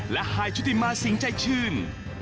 และหายชุติมาสิงห์ใจชื่น